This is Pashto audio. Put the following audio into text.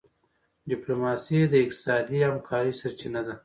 ډيپلوماسي د اقتصادي همکارۍ سرچینه ده.